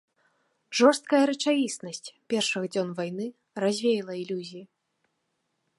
Жорсткая рэчаіснасць першых дзён вайны развеяла ілюзіі.